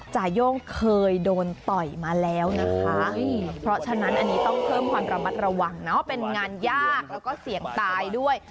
จ่าย่งเคยโดนต่อยมาแล้วนะคะเพราะฉะนั้นอันนี้ต้องเพิ่มความระมัดระวังเนาะเป็นงานยากแล้วก็เสี่ยงตายด้วย